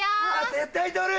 絶対取る！